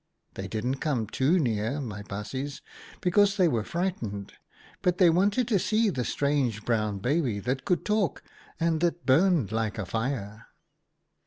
They didn't come too near, my baasjes, because they were frightened, but they wanted to see the strange brown baby that could talk, and that burned like a fire.